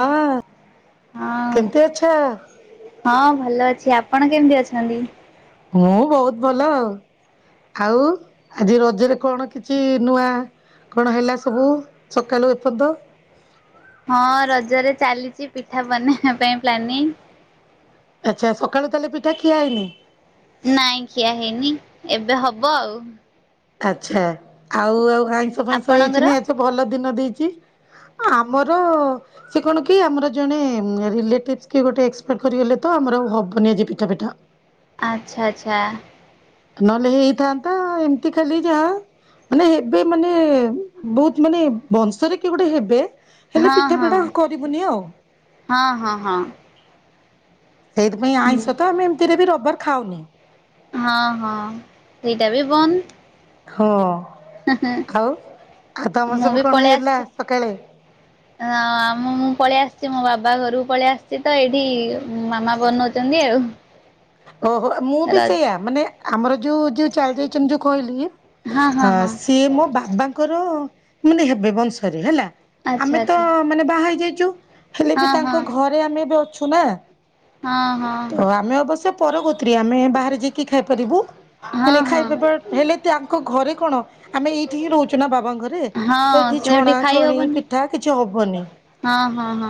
ହଁ ହଁ କେମିତି ଅଛ? ହଁ ଭଲ ଅଛି, ଆପଣ କେମିତି ଅଛନ୍ତି? ମୁଁ ବହୁତ୍ ଭଲ ଆଉ। ଆଉ ଆଜି ରଜରେ କଣ କିଛି ନୂଆ କଣ ହେଲା ସବୁ ସକାଳୁ ଏପର୍ଯ୍ୟନ୍ତ? ହଁ ରଜରେ ଚାଲିଛି ପିଠା ବନେଇବା ପାଇଁ ପ୍ଲାନିଂ। ଆଚ୍ଛା ସକାଳୁ ତାହେଲେ ପିଠା ଖିଆ ହେଇନି? ନାଇଁ ଖିଆ ହେଇନି ଏବେ ହବ ଆଉ। ଆଚ୍ଛା, ଆଉ-ଆଉ ଆଇଁଷ ଫାଇଁଷ ହେଇଛି ଆପଣଙ୍କର? ନା ଆଜି ତ ଭଲ ଦିନ ଦେଇଛି। ଆମର ସେ କଣ କି ଆମର ଜଣେ ରିଲେଟିଭସ୍ କିଏ ଗୋଟେ ଏକ୍ସପାର୍ଡ କରିଗଲେ ତ ଆମର ଆଉ ହବନି ଆଜି ପିଠାଫିଠା। ଆଚ୍ଛା ଆଚ୍ଛା। ନହେଲେ ହେଇଥାନ୍ତା ଏମିତି ଖାଲି ଯାହା ମାନେ ହେବେ ମାନେ ବହୁତ ମାନେ ବଂଶରେ କିଏ ଗୋଟେ ହେବେ? ହେଲେ ପିଠାଫିଠା କରିବୁନି ଆଉ। ହଁ-ହଁ-ହଁ। ସେଇଥିପାଇଁ ଆଇଁଷ ତ ଆମେ ଏମିତିରେ ବି ରବିବାର ଖାଉନି। ହଁ-ହଁ ସେଇଟା ବି ବନ୍ଦ। ହଁ, ଆଉ ଆଉ ତମର ମୁଁ ସବୁ ବି କଣ ପଳେଇ ହେଲା ଆସିଛି। ସକାଳେ? ହଁ ଆମ ମୁଁ ପଳେଇ ଆସିଛି ମୋ ବାବା ଘରକୁ ପଳେଇ ଆସିଛି ତ ଏଇଠି ମାମା ବନଉଛନ୍ତି ଆଉ। ଓହୋଃ, ମୁଁ ବି ରଜ ସେଇୟା ମାନେ ଆମର ଯୋଉ, ଯୋଉ ଚାଲି ଯାଇଛନ୍ତି ଯୋଉ କହିଲି। ହଁ ହଁ ଅ ହଁ ସିଏ ମୋ ବାବାଙ୍କର ମାନେ ହେବେ ବଂଶରେ ହେଲା। ଆଚ୍ଛା ଆମେ ତ ଆଚ୍ଛା ମାନେ ବାହା ହେଇ ଯାଇଛୁ ହେଲେ ହଁ ବି ହଁ ତାଙ୍କ ଘରେ ଆମେ ଏବେ ଅଛୁ ନା। ହଁ-ହଁ। ତ ଆମେ ଅବଶ୍ୟ ପରଗୋତ୍ରୀ, ଆମେ ବାହାରେ ଯାଇକି ଖାଇପାରିବୁ ମାନେ ହଁ ହଁ ଖାଇଦେବା, ହେଲେ ତାଙ୍କ ଘରେ କଣ ଆମେ ଏଇଠି ହିଁ ରହୁଛୁ ନା ବାବାଙ୍କ ଘରେ, ତ ହଁ ଏଇଠି ସେଇଠି ଛଣାଛଣି ପିଠା କିଛି ହବନି। ହଁ-ହଁ-ହଁ।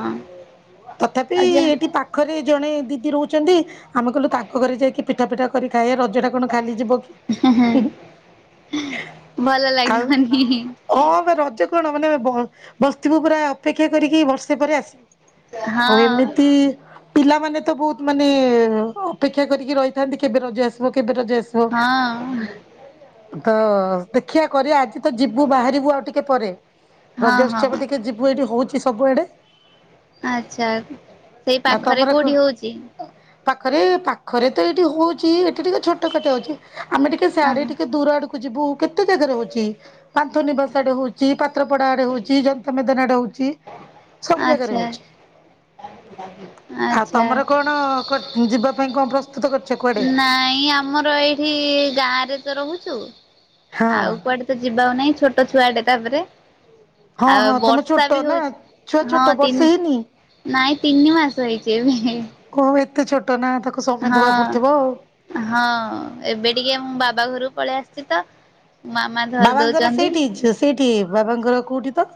ତଥାପି-ଇ-ଇ ଏଠି ପା ପାଖରେ ଜଣେ ଦିଦି ରହୁଛନ୍ତି ଆମେ କହିଲୁ ତାଙ୍କ ଘରେ ଯାଇକି ପିଠାଫିଠା କରିକି ଖାଇବା ରଜଟା କଣ ଖାଲି ଯିବ କି ହୁଁ-ହୁଁ ଭଲ ଆଉ ଲାଗିବନି ହଁ ବେ ରଜ କଣ ମାନେ ବ ବସିଥିବୁ ପୁରା ଅପେକ୍ଷା କରିକି ବର୍ଷେ ପରେ ଆସିବ। ଆଉ ହଁ ଏମିତି ପିଲାମାନେ ତ ବହୁତ୍ ମାନେ ହଁ ଅପେକ୍ଷା କରିକି ରହିଥାନ୍ତି କେବେ ରଜା ଆସିବ କେବେ ରଜା ଆସିବ। ହଁ। ତ ଦେଖିବା କରିବା ଆଜି ତ ଯିବୁ ବାହାରିବୁ ଆଉ ଟିକେ ପରେ ହଁ ରଜ ହଁ ଉତ୍ସବ ଟିକେ ଯିବ୍ ସବୁ ଏଠି ହଉଛି ସବୁଆଡେ। ଆଚ୍ଛା, ସେଇ ଆଉ ପାଖରେ ତମର କ କୋଉଠି ହଉଛି? ପାଖରେ, ପାଖରେ ତ ଏଇଠି ହଉଛି ଏଠି ଟିକେ ଛୋ କେତେ କେତେ ଅଛି, ଆମେ ଟିକେ ହଁ ସେଆଡେ ହଁ ଟିକେ ଦୂର ଆଡକୁ କୁ ଯିବୁ କେତେ ଜାଗାରେ ହଉଛି ପାନ୍ଥ ନିବାସ ଆଡେ ହଉଛି ପାତ୍ର ପଡା ଆଡେ ହଉଛି ଜନତା ମଇଦାନ ଆଡେ ହଉଛି। ସବୁ ଜାଗାରେ ଆଚ୍ଛା ହଉଛି, ଆଉ ଆଚ୍ଛା ତମର କଣ କୁଆଡେ ଯିବା ପାଇଁ କଣ ପ୍ର ନାଇଁ ଆମର ଏଇଠି ଗାଁ ରେ ତ ରହୁଛୁ ହଁ ଆଉ କୁଆଡେ ତ ଯିବାକୁ ନାହିଁ ଛୋଟ ଛୁଆଟେ ତାପରେ ହଁ ଆଉ ହଁ ତମେ ବର୍ଷା ଛୋଟ ବି ନା ଛୁଆ ହଉଛି ହଁ ଛୋଟ ବର୍ଷେ ତିନି ହେଇନି? ନାଇଁ ତିନି ମାସ ହେଇଛି ଏବେ। ଓଃ ଏତେ ଛୋଟ ନା ତାକୁ ସମୟ ଦବାକୁ ହଁ ପଡୁଥିବ ଆଉ? ହଁ ଏବେ ଟିକେ ମୁଁ ବାବା ଘରକୁ ପଳେଇ ଆସିଛି ତ! ମାମା ଧରି ବାବାଙ୍କର ଦଉଛନ୍ତି। ସେଇଠି ସେଇଠି ବାବାଙ୍କର କୋଉଠି ତ?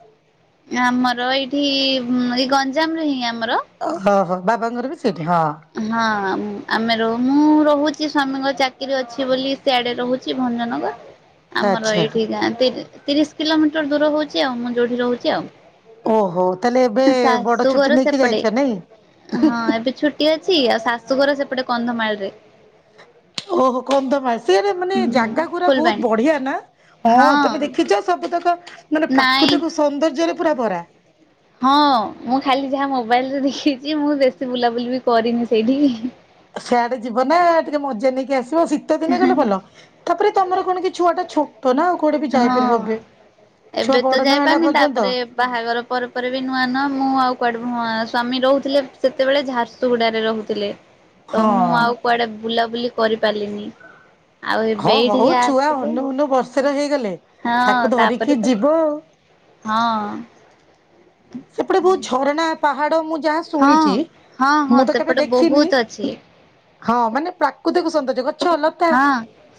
ଆମର ଏଇଠି ଉଁ ଏଇ ଗଞ୍ଜାମରେ ହିଁ ଆମର। ଓ ହୋ ହ ବାବାଙ୍କର ବି ସେଇଠି ହଁ। ହଁ ଆମ୍ ଆମେ ରୁମୁ ମୁଁ ରହୁଛି ସ୍ୱାମୀଙ୍କ ଚାକିରି ଅଛି ବୋଲି ସିଆଡ଼େ ରହୁଛି ଭଞ୍ଜନଗର। [unintelligible] ଆମର ଏଇଠି ଗାଁ ତିର ତିରିଶ କିଲୋମିଟର ଦୂର ହଉଛି ଆଉ ମୁଁ ଯୋଉଠି ରହୁଛି ଆଉ। ଓହୋ ତାହେଲେ ଏବେ ବଡ ଶାଶୁଘର ଛୁଟି ନେଇକି ଯାଇଛ ନାଇଁ। ହେଟି ଅଛି ଆଉ ଶାଶୁଘର ସେପଟେ କନ୍ଧମାଳରେ। ଓହୋ କନ୍ଧମାଳ ସିଆରେ ମାନେ ହୁଁ ଜାଗା ଗୁୁରା ଫୁଲବାଣୀ ବହୁତ ବଢିଆ ନା? ହଁ ତମେ ଦେଖିଛ ସବୁତକ ମାନେ ନାଇଁ ପ୍ରାକୃତିକ ସୌନ୍ଦର୍ଯ୍ୟରେ ପୁରା ଭରା। ହଁ ମୁଁ ଖାଲି ଯାହା ମୋବାଇଲରେ ଦେଖିଛି ମୁଁ ବେଶୀ ବୁଲାବୁଲି ବି କରିନି ସେଇଠିକି। ଆ ସେଆଡେ ଯିବ ନା ଟିକେ ମଜା ନେଇକି ଆସିବ ଶୀ ତ ଦିନେ ଗଲେ ଭଲ ତାପରେ ତମର କଣ କି ଛୁଆ ଟା ଛୋଟ ନା ଆଉ କୁଆଡେ ବି ଯାଇପାରିବ ହଁ। ଏବେ। ଛୁଆ ଏବେ ତ ବଡ ନ ହେଲା ଯାଇପାରୁନି ପର୍ଯ୍ୟନ୍ତ ତାପରେ ବାହାଘର ପରେ ପରେ ବି ନୂଆ ନୂଆ ମୁଁ ଆଉ କୁଆଡେ ମୁଁ ଆ ସ୍ଵାମୀ ରହୁଥିଲେ ସେତେବେଳେ ଝାରସ ସୁୁଗୁଡାରେ ରହୁଥିଲେ ତ ମୁଁ ହଁ। ଆଉ କୁଆଡେ ବୁଲାବୁଲି କରିପାରିଲିନି। ଆଉ ହଁ ଏବେ ହଉ ଏଇଠିକି ଛୁଆ ଆସିଲେ ଅନଉ ଅନଉ ବର୍ଷକେ ହେଇଗଲେ ହଁ ତାକୁ ତାପରେ ଧରିକି ତ ଯିବ ଆଉ। ହଁ ସେପଟେ ବହୁତ ଝରଣା ପାହାଡ ମୁଁ ଯାହା ହଁ ଶୁଣିଛି ହଁ ହଁ ମୁଁ ତ କେବେ ସେପଟେ ଦେଖିନି ବହୁତ ଅଛି। ହଁ ମାନେ ପ୍ରାକୃତିକ ସୌନ୍ଦର୍ଯ୍ୟ ଗଛ ଲ ହଁ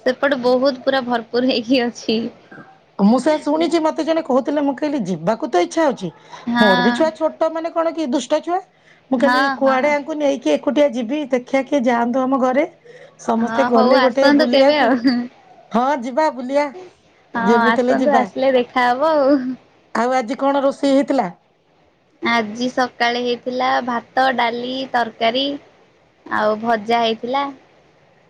ସେପଟେ ବହୁତ ପୁରା ଭରପୁର ହେଇକି ଅଛି। ମୁଁ ସେୟା ଶୁଣିଛି ମତେ ଜଣେ କହୁଥିଲେ ମୁଁ କହିଲି ଯିବାକୁ ତ ଇଚ୍ଛା ହଉଛି ହଁ ମୋର ବି ଛୁଆ ଛୋ ଟ ମାନେ କଣ କି ଦୁଷ୍ଟ ଛୁଆ ମୁଁ କହିଲି ହଁ ହଁ। କୁଆଡେଆଙ୍କୁ ନେଇକି କି ଏକୁଟିଆ ଯିବି ଦେଖିଆ କିଏ ଯାଆନ୍ତୁ ଆମ ଘରେ ହଁ ସମସ୍ତେ ହଉ ଗଲେ ଗୋଟେ ଆସନ୍ତୁ କେବେ ବୁଲିବାକୁ ଆଉ ହଁ ଯିବା ବୁଲିଆ। ହଁ ଆସନ୍ତୁ ଆସିଲେ ଦେଖା ହବ ଆଉ। ଆଉ ଆଜି କଣ ରୋଷେଇ ହେଇଥିଲା? ଆଜି ସକାଳେ ହେଇଥିଲା ଭାତ, ଡାଲି, ତରକାରୀ। ଆଉ ଭଜା ହେଇଥିଲା।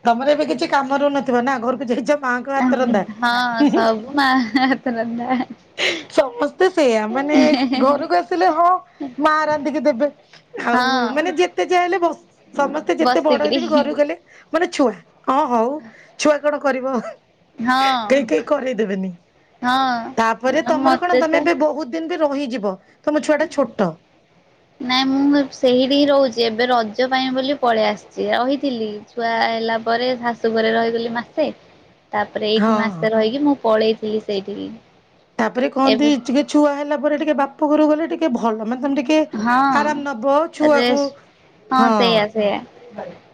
ତମର ଏବେ କିଛି କାମ ରହୁନଥିବ ନା ଘରକୁ ଯାଇଛ? ମାଆଙ୍କ ହାତ ରନ୍ଧା। ହଁ ସବୁ ମା ହାତ ରନ୍ଧା। ସମସ୍ତେ ସେଇୟା ମାନେ ଘରକୁ ଆସିଲେ ହଁ ମା ରାନ୍ଧିକି ଦେବେ। ଆଉ ହଁ। ମାନେ ଯେତେ ଯାହା ହେଲେ ବସ୍ ସମସ୍ତେ ଯେତେ ବଡ ବସିକିରି ହେଲେ ବି ଘରକୁ ଗଲେ ମାନେ ଛୁଆ। ହଁ ହଉ ଛୁଆ କଣ କରିବ? ହଁ, କେହି କେହି କରେଇଦେବେନି। ହଁ। ତାପରେ ତମର କଣ ମତେ ତ ତମେ ଏବେ ବହୁତ ଦିନ ବି ରହିଯିବ ତମ ଛୁଆ ଟା ଛୋଟ। ନାାଇଁ ମୁଁ ସେଇଠି ହିଁ ରହୁଛି ଏବେ ରଜ ପାଇଁ ବୋଲି ପଳେଇ ଆସିଛି ରହିଥିଲି। ଛୁଆ ହେଲା ପରେ ଶାଶୁ ଘରେ ରହିଗଲି ମାସେ [unintelligible] ତାପରେ ହଁ। ଏଇଠି ମାସେ ରହିକି ମୁଁ ପଳେଇଥିଲି ସେଇଠିକି। ତାପରେ କହନ୍ତି ଏବେ ଟିକେ ଛୁଆ ହେଲା ପରେ ଟିକେ ବାପ ଘରୁ ଗଲେ ଟିକେ ଭଲ ମାନେ ତମ ଟିକେ ଟିକେ ଆରାମ ନବ ହଁ ଛୁଆକୁ ରେସ୍ ହଁ। [inaudible]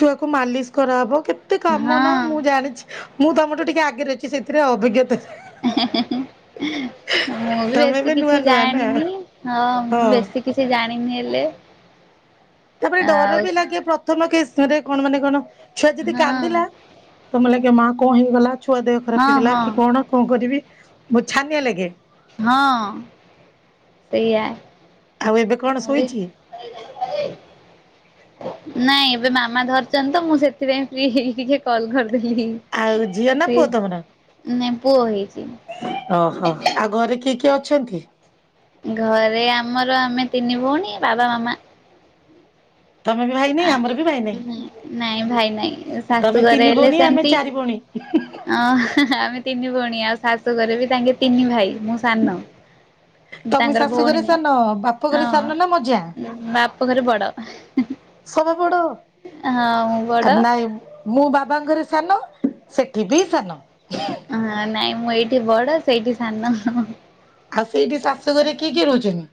ଛୁଆକୁ ମାଲିସ କରାହବ କେତେ କାମ ନା ହଁ। ମୁଁ ଜାଣିଛି। ମୁଁ ତମରଠୁ ଟିକେ ଆଗରେ ଅଛି ସେଥିରେ ଅଭିଜ୍ଞତା। ମୁଁ ବି ତମେ ବେଶୀ ଏବେ ନୂଆ କିଛି ନୂଆ ନା ଜାଣିନି ହଁ ମୁଁ ହଁ ବେଶୀ କିଛି ଜାଣିନି ହେଲେ ତାପରେ ଆଉ ଡର ବି ଲାଗେ ପ୍ରଥମ କେରେ କଣ ମାନେ କଣ ଛୁଆ ଯଦି କାନ୍ଦିଲା ହଁ ତମେ ଲାଗେ ମା କଣ ହେଇଗଲା ଛୁଆ ଦେହ ଖରାପ ହଁ ହେଇଗଲା ହଁ କି କଣ? କଣ କରିବି ବହୁତ ଛାନିଆ ଲାଗେ। ହଁ ସେଇଆ। ଆଉ ଏବେ କଣ ମୁଁ ବି ଶୋଇଛି? ନାଇଁ ଏବେ ମାମା ଧରିଛନ୍ତି ତ ମୁଁ ସେଥିପାଇଁ ଫି ହେଇକି ଟିକେ କଲ୍ କରିଦେଲି। ଆଉ ଝିଅ ନା ସେ ପୁଅ ତମର ମେ ପୁଅ ହେଇଛି। ଓହୋ ଆଉ ଘରେ କିଏ କିଏ ଅଛନ୍ତି? ଘରେ ଆମର ଆମେ ତିନି ଭଉଣୀ ବାବା ମାମା। ତମେ ବି ଭାଇ ନାଇଁ ଆମର ବି ଭାଇ ନାଇଁ ଭାଇ ନାଇଁ ତମେ ଶାଶୁ ଘରେ ତିନି ହେଲେ ଭଉଣୀ ଆମେ ସେମିତି ଚାରି ଭଉଣୀ ଓ ଆମେ ତିନି ଭଉଣୀ ଆଉ ଶାଶୁଘରେ ବି ତାଙ୍କେ ତିନି ଭାଇ ମୁଁ ସାନ। ହଁ। ତମେ ତାଙ୍କର ଶାଶୁ ଭଉଣୀ ଘରେ ନାହିଁ ସାନ ବାପ ଘରେ ହଁ ସାନ ନା ମଝିଆଁ? ବାପ ଘରେ ବଡ। ସବୁ ବଡ ହଁ ମୁଁ ବଡ ନାଇଁ ମୁଁ ବାବାଙ୍କରେ ସାନ। ସେଠି ବି ସାନ। ହ ନାଇଁ ମୁଁ ଏଇଠି ବଡ ସେଇଠି ସାନ। ଆଉ ସେଇଠି ଶାଶୁ ଘରେ କିଏ କିଏ ରହୁଛନ୍ତି?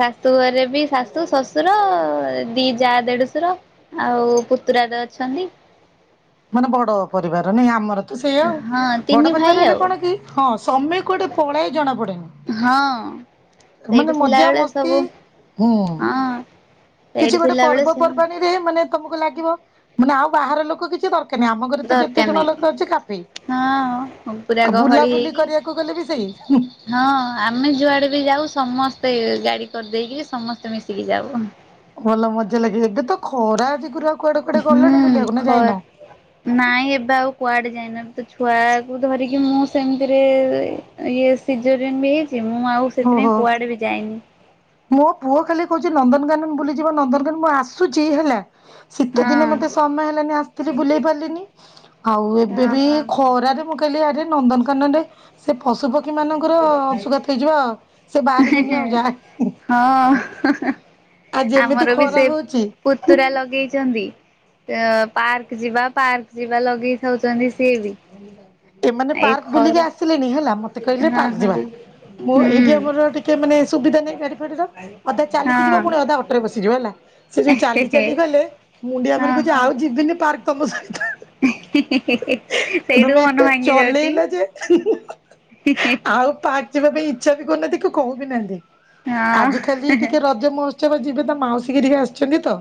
ଶାଶୁ ଘରେ ବି ଶାଶୁ ଶ୍ୱଶୁର ଦି ଯା ଦେଢଶୁର। ଆଉ ପୁତୁରା ଅଛନ୍ତି। ମାନେ ବଡ ପରିବାର ନାଇଁ ଆମର ତ ସେଇୟା ଆଉ ହଁ ବଡ ତିନି ପରିବାର ଭାଇ ହେଲେ ଆଉ କଣ କି? ହଁ ସମୟ କୁଆଡେ ଗୋଟେ ପଳେଇ ଜଣାପଡେନି। ହଁ ମାନେ ସେଇଠି ମଜା ଥିଲାବେଳେ ମସ୍ତି ସବୁ ହୁଁ। ହଁ କିଛି ସେଇଠି ଗୋଟେ ଥିଲାବେଳେ ସବୁ ପର୍ବପର୍ବାଣୀରେ ମାନେ ତମକୁ ଲାଗିବ ମାନେ ଆଉ ବାହାର ଲୋକ କିଛି ଦରକାର। କାଇଁ ଆମ ଘରେ ତ ଯେତେ ଦରକାର ଜଣ ନାହିଁ ଲୋକ ଅଛି କାଫି। ହଁ ପୁରା ଆଉ ଗହଳି ବୁଲାବୁଲି ହେଇକି କରିବାକୁ ଗଲେ ବି ସେଇ ହଁ ଆମେ ଯୁଆଡେ ବି ଯାଉ ସମସ୍ତେ ଗାଡି କରିଦେଇକି ସମସ୍ତେ ମିଶିକି ଯାଉ। ଭଲ ମଜା ଲାଗେ ଏବେ ତ ଖରା ଆଜିିଗରୁ ଆଉ କୁଆଡେ କୁଡେ ଗଣି ହୁଁ ବୁଲିବାକୁ ନା ଖ ଯାଇନ। ନାଇଁ ଏବେ ଆଉ କୁଆଡେ ଯାଇନ ତ ଛୁଆକୁ ଧରିକି ମୁଁ ସେମିତିରେ ଇଏ ସିଜୋରିୟନ ବି ହେଇଛି ମୁଁ ଆଉ ସେଥିପାଇଁ ଓହୋ। କୁଆଡେ ବି ଯାଇନି। ମୋ ପୁଅ ଖାଲି କହୁଛି ନନ୍ଦନକାନନ ବୁଲି ଯିବ ନନ୍ଦନକାନନ ମୁଁ ଆସୁଛି ହେଲା। ଶୀତ ହଁ ଦିନେ ମତେ ସମୟ ହେଲାନି ଆସିଥିଲି ବୁଲେଇ ପାରିଲିନି ଆଉ ଏବେ ବି ଓହୋ। ଖରାରେ। ମୁଁ କହିଲି ଆଡରେ ନନ୍ଦନକାନନରେ ସେ ପଶୁ ପକ୍ଷୀ ମାନଙ୍କର ଅଂଶୁଘାତ। ହେଇଯିବ ସେ ବାହାରିବେନି ଆଉ ଯାହା ହଁ ଯେମିତି ଆମର ବି ଖରା ସେ ହଉଛି ପୁତୁରା ଲଗେଇଚନ୍ତି। ପାର୍କ ଯିବା ପାର୍କ ଯିବା ଲଗେଇ ଥାଉଛନ୍ତି ସିଏ ବି। ଏମାନେ ଏଇ ପାର୍କ ବୁଲିକି ଖରା ଆସିଲେଣି ହେଲା ମତେ କହିଲେ ହଁ ପାର୍କ ଯିବା ହଁ ମୁଁ ଏଇଠି ହୁଁ ଆମର ଟିକ କେ ମାନେ ସୁବିଧା ନାହିଁ ଗାଡି ଫାଡି ର ଅଧା ଚାଲିକି ଯିବା ହଁ। ପୁଣି ଅଧା ଅଟୋରେ ବସିଯିବ ହେଲା। ସେ ଯୋଉ ଚାଲି ଚାଲି ହଁ ଗଲେ ମୁଣ୍ଡିଆ ମାନେ କହୁଛି ଆଉ ଯିବିନି ପାର୍କ ତମ ସହିତ। ସେଇଟୁ ମନ ଭା ଚଲେଇଲା ଯେ ଆଉ ପାକ ଯିବା ପାଇଁ ଇଚ୍ଛା ବି କରୁନାହାନ୍ତି କି କହୁ ବିି ନାହାନ୍ତି ହଁ ଆଜି ଖାଲି ଟିକେ ରଜ ମହୋତ୍ସ୍ ସେ ବା ଯିବେ ତା ମାଉସୀ କି ରିହା ଆସିଛନ୍ତି ତ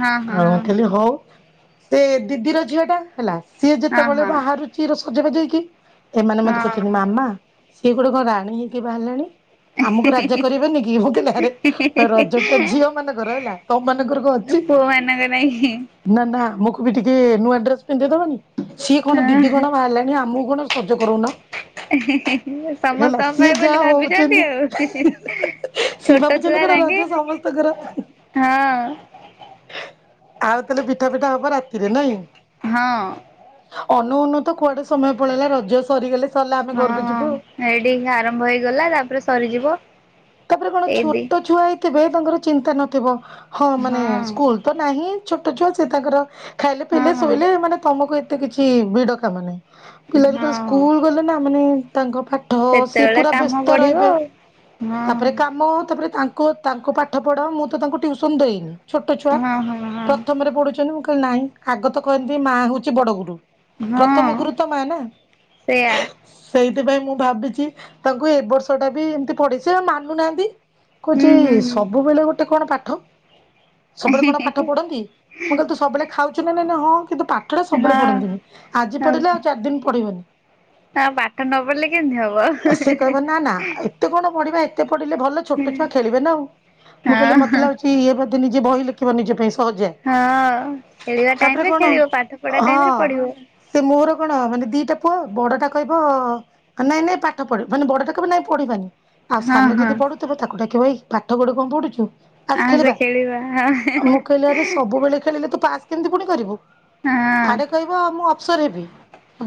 ହଁ ହଁ ହଉ ହଁ ଖାଲି ହଉ ସେ ଦିଦିର ଝିଅ ଟା ହେଲା ସିଏ ହଁ ଯେତେବେଳେ ହଁ ବାହାରୁଛି ର ସଜ ବାଜ ହେଇକି ଏମାନେ ମତେ କହୁଚନ୍ତି ହଁ ମାମା ସିଏ ଗୋଟେ କଣ ରାଣୀ ହେଇକି ବାହାରିଲାଣି। ଆମକୁ ରାଜା କରିବେନି କି ମୁଁ କଲି ଆରେ ରଜ ଟା ଝିଅ ମାନଙ୍କର ହେଲା। ତମ ମାନଙ୍କର କ ଅଛି। ପୁଅ ମାନଙ୍କ ନାଇଁ ହଁ ନା ନା ଆମକୁ ବି ଟିକେ ନୂଆ ଡ୍ରେସ ପିନ୍ଧେଇଦବନି ସିଏ କଣ ଦି ଦି କଣ ବାହାରିଲାଣି ଆମକୁ କଣ ସଜ କରଉନ? [inaudible] ହେଲା ସମସ୍ତଙ୍କ ସିଏ ପାଇଁ ବୋଲି ଯାହା ଭାବିଛନ୍ତି ହଉଛନ୍ତି ଆଉ। [inaudible] ସିଏ ଛୋଟ ଭାବୁଛନ୍ତି ଛୁଆ କଣ ରଜ ଯାଙ୍କେ ସମସ୍ତଙ୍କର ହଁ। ଆଉ ତାଲେ ପିଠା ପିଠା ହବ ରାତିରେ ନାଇଁ ହଁ। ଅନ୍ ନୋଉ ତ କୁଆଡେ ସମୟ ପଳେଇଲା ରଜ ସରିଗଲେ ସରଲା ଆମେ ହଁ ଘରକୁ ହଁ ଯିବୁ ଆଉ। ଏଇଠି ହିଁ ଆରମ୍ଭ ହେଇଗଲା ତାପରେ ସରିଯିବ। ତାପରେ କଣ ଏଇ ଦି ଛୋଟ ଛୁଆ ହେଇଥିବେ ତାଙ୍କର ଚିନ୍ତା ନଥିବ ହଁ ମାନେ ହଁ ସ୍କୁଲ। ତ ନାହିଁ ଛୋଟ ଛୁଆ ସେ ତାଙ୍କର ଖାଇଲେ ପିଇଲେ ହଁ ଶୋଇଲେ ମାନେ ତମକୁ ଏ ତେ କିଛି ଭିଡ କାମ ନାହିଁ ପିଲା ଯେତେବେଳେ ହଁ ସ୍କୁଲ ଗଲେ ନା ମାନେ ତାଙ୍କ ପା ଠ ସିଏ ସେତେବେଳେ ପୁରା କାମ ବ୍ୟସ୍ତ ବଢିବ ରହିବେ। ଆଉ। ହଁ ତାପରେ କାମ ତାପରେ ତାଙ୍କ ତାଙ୍କ ପାଠ ପଢ଼ା ମୁଁ ତ ତାଙ୍କୁ ଟିଉସନ ଦେଇନି। ଛୋଟ ଛୁଆ ହଁ ହଁ ହଁ। ପ୍ରଥମରେ ପଢୁଛନ୍ତି ମୁଁ କହିଲି ନାଇଁ ଆଗ ତ କହନ୍ତି ମା ହଉଛି ବଡ ଗୁରୁ। ପ୍ରଥମ ହଁ ଗୁରୁ ତ ମା ନା। ସେଇଆ ସେଇଥିପାଇଁ ମୁଁ ଭାବିଛି ତାଙ୍କୁ ଏ ବର୍ଷ ଟା ବି ଏମତି ପଢେଇ ସେ ମାନୁନାହାନ୍ତି। ହୁଁ କୋଚି ହୁଁ ହୁଁ ସବୁବେଳେ ଗୋଟେ କଣ ପାଠ। ସବୁବେଳେ କଣ ପାଠ ପଢନ୍ତି ମୁଁ କହିଲ ତୁ ସବୁବେଳେ ଖାଉଛୁ ନା ନାଇଁ ନା ହଁ କିନ୍ତୁ ପା ଠ ଟା ହଁ। ସବୁବେଳେ ପଢନ୍ତିନି ହଉ ଆଜି ପଢିଲେ ଆଉ ଚାରି ଦିନ ପଢିବନି। ହଁ ପାଠ ନ ପଢଲେ କେମତି ସେ କହିବ ନା ନା ହବ। ଏତେ କଣ ପଢିବା ଏତେ ପଢିଲେ ଭଲ ଛୋଟ ଛୁଆ ଖେଳିବ ନା ଆଉ ହଁ ମୁଁ ହଁ କହିଲି ମତେ ଲାଗୁଚି କି ଇଏ ବଧେ ନିଜେ ବହି ଲେଖିବ ନିଜ ପାଇଁ ସହଜିଆ। ହଁ ଖେଳିବା ତାପରେ ଟାଇମ ରେ କଣ ଖେଳିବ ପାଠ ପଢା ଟାଇମ ରେ ହଁ ପଢିବ। ସେ ମୋର କଣ ମାନେ ଦିଟା ପୁଅ ବଡଟା କହିବ ଅନା ଏଇନେ ପାଠ ପଢିବ ମାନେ ବଡଟା କହିବ ନାଇଁ ପଢିବାନି। ଆଉ ହଁ ସାନ ହଁ ଯଦି ପଢୁଥିବ ତାକୁ ଡାକିବ ଏଇ ପାଠ ଗୋଟେ କଣ ପଢୁଛୁ। ଆସ ଆଉ ସେ ଖେଳିବା ହଁ ମୁଁ କହିଲ ଆରେ ସ ସବୁବେଳେ ଖେଳିଲେ ତୁ ପାସ୍ କେମିତି ପୁଣି କରିବୁ ହଁ ଆଡେ କହିବ ମୁଁ ଅଫସର ହେବି।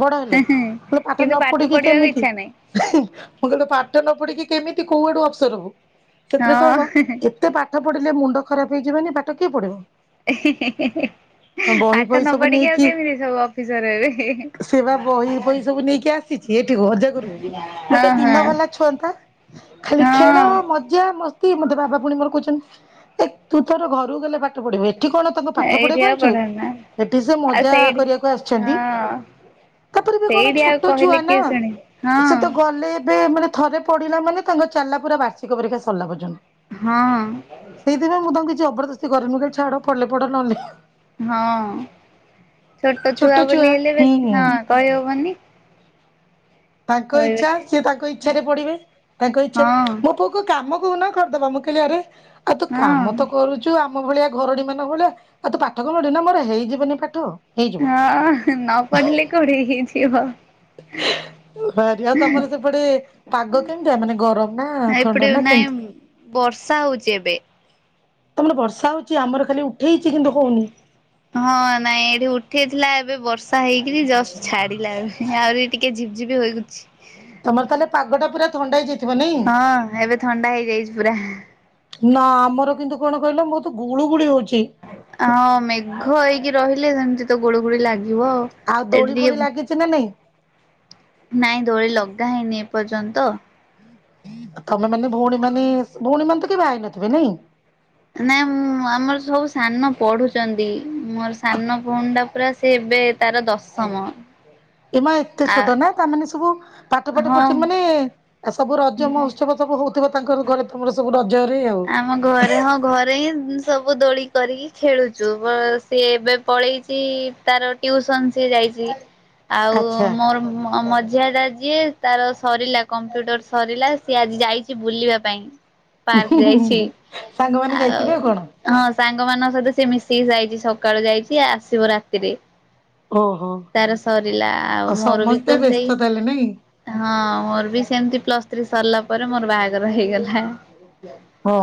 ବଡ ହେଲେ ମୁଁ କ ପାଠ କିନ୍ତୁ ନ ପଢିକି ପଢିବାକୁ କେମିତି ଇଚ୍ଛା ନାହିଁ। ମୁଁ କଲି ତ ପାଠ ନ ପଢିକି କେମିତି କୋଉଆଡୁ ଅଫସର ହବୁ ସେଥିରେ ହଁ କହିବ ଏତେ ପାଠ ପଢିଲେ ମୁଣ୍ଡ ଖରାପ ହେଇଯିବନି ପାଠ କିଏ ପଢିବ। [inaudible] ତ ବହି ପାଠ ଫଇ ନ ସବୁ ପଢିକି ଆଉ ନେଇକି କେମିତି ସବୁ ଅଫିସର ହେବେ। ସେ ବା ବହି ଫଇ ସବୁ ନେଇକି ଆସ [unintelligible] ଅଜା ଘରକୁ ହଁ ଗୋଟେ ହଁ ଦିନ ଭଲା ଛୁଅନ୍ତା ଖାଲି ଖେଳ ହଁ ମ ଜା ମସ୍ତି ମତେ ବାବା ପୁଣି ମୋର କହୁଚନ୍ତି ଏ ତୁ ତୋର ଘରକୁ ଗଲେ ପା ଠ ପଢିବ ଏଠି କଣ ତାଙ୍କୁ ପାଠ ଏଇଠି ପଢିବାକୁ ଆଉ ଆଣିଚୁ। ପଢାନା ଏଠି ସେ ଆଉ ମଜା ସେଇଠି କରିବାକୁ ଆସିଚନ୍ତି। ହଁ। ତାପରେ ଏବେ କଣ ସେଇଠି ଆଉ ଛୋଟ ଛୁଆ କହିଲେ ନା କିଏ ଶୁଣେ ସେ ହଁ ତ ଗଲେ ଏବେ ମାନେ ଥରେ ପଢିଲା ମାନେ ତାଙ୍କ ଚାଲିଲା ପୁରା ବାର୍ଷିକ ପରୀକ୍ଷା ସରିଲା ପର୍ଯ୍ୟନ୍ତ। ହଁ। ସେଇଥିପାଇଁ ମୁଁ ତାଙ୍କୁ କିଛି ଜବରଦସ୍ତି କରେନି ମୁଁ କହେ ଛାଡ ପଢ଼ିଲେ ପଢ଼ ନହେଲେ ନାଇଁ। ହଁ ଛୋଟ ଛୁଆ ବୋଲି ହେଲେ ବେଶୀ ହଁ କହିହବନି। ତାଙ୍କ କହିବେ ଇଚ୍ଛା କି ସିଏ ତାଙ୍କ ଇଚ୍ଛାରେ ପଢିବେ ତାଙ୍କ ଇଚ୍ଛାରେ ହଁ ମୋ ପୁଅ କୁ କାମ କହୁନ କରିଦବ। ମୁଁ କହିଲି ଆରେ ଆଉ ତୁ ହଁ କାମ ତ କରୁଚୁ ଆ ମ ଭଳିଆ ଘରଣୀ ମାନଙ୍କ ଭଳିଆ ଆଉ ତୁ ପାଠ କଣ ପଢ଼ିବୁ ନା ମୋର ହେଇଯିବନି ପାଠ। ହେଇଯିବ ହଁ ନ ପଢିଲେ କୋଉଠି ହେଇଯିବ? ଭାରି ଆଉ ତମର ସେପଟେ ପାଗ କେମିତିଆ ମାନେ ଗରମ ନା ଏପଟେ ଥଣ୍ଡା ନା ନାଇଁ କେମିତି? ବର୍ଷା ହଉଚି ଏବେ। ତମର ବର୍ଷା ହଉଚି ଆମର ଖାଲି ଉଠେଇଚି କିନ୍ତୁ ହଉନି। ହଁ ନାଇଁ ଏଠି ଉଠେଇଥିଲା ଏବେ ବର୍ଷା ହେଇକିରି ଜଷ୍ଟ୍ ଛାଡିଲା। ଆହୁରି ଟିକେ ଝିପଝିପ୍ ହୋଇଗୁଚି। ତମର ତାହଲେ ପାଗଟା ପୁରାଥଣ୍ଡା ହେଇଯାଇଥିବ? ନାଇଁ? ହଁ ଏବେ ଥଣ୍ଡା ହେଇଯାଇଚି ପୁରା। ନା ଆମର କିନ୍ତୁ କଣ କହିଲ ବହୁତୁ ଗୁଳୁଗୁଳି ହଉଚି। ଆଉ ମେଘ ହେଇକି ରହିଲେ ସେମିତି ତ ଗୁଳୁଗୁଳି ଲାଗିବ ଆଉ। ଆଉ ଏଠି ଦୋଳି ଟିକେ ଫୋଳି ଲାଗିଚି ନା ନାଇଁ? ନାଇଁ ଦୋଳି ଲଗା ହେଇନି ଏପର୍ଯ୍ୟନ୍ତ ତମେ ମାନେ ଭଉଣୀ ମାନେ ଭଉଣୀ ମାନେ ତ କେହି ବାହେଇନଥିବେ ନାଇଁ? ନାଇଁ ମୁଁ ଆମର ସବୁ ସାନ ପଢୁଚନ୍ତି ମୋର ସାନ ଭଉଣୀ ଟା ପୁରା ସେ ଏବେ ତାର ଦଶମ। ଏ ମା ଏତେ ଆ ଛୋଟ ନା ତାମାନେ ସବୁ ପାଠ ପାଠ ହଁ ପଢୁଚନ୍ତି ମାନେ ସବୁ ରଜ ମୁଁ ମହୋତ୍ସବ ସବୁ ହଉଥିବ ତାଙ୍କର ଘରେ ତମର ସବୁ ରଜରେ ଆଉ। ହଁ ଘରେ ହଁ ଘରେ ହିଁ ସବୁ ଦୋଳି କରିକି ଖେଳୁଚୁ। ବ ସିଏ ଏବେ ପଳେଇଚି ତାର ଟ୍ୟୁସନ୍ ସେ ଯାଇଚି। ଆଉ ଆଚ୍ଛା ମୋର ମ-ମଝିଆ [unintelligible] ଯିଏ ତାର ସରିଲା କମ୍ପ୍ୟୁଟର ସରିଲା ସିଏ ଆଜି ଯାଇଚି ବୁଲିବା ପାଇଁ ପାର୍କ ଯାଇଚି ସାଙ୍ଗମାନେ ଆଉ ଯାଇଥିବେ କଣ ହଁ ସାଙ୍ଗମାନଙ୍କ ସହିତ ସିଏ ମିଶିକି ଯାଇଚି ସକାଳୁ ଯାଇଚି ଆସିବ ରାତିରେ। ଓହୋ ତାର ସରିଲା ଆଉ ମୋର ବି ସମସ୍ତେ ତ ସେଇ ବ୍ୟସ୍ତ ତାହାଲେ ନାଇଁ? ହଁ ମୋର ବି ସେମିତି ପ୍ଲସ୍ ଥ୍ରୀ ସରିଲା ପରେ ମୋର ବାହାଘର ହେଇଗଲା। ହଁ।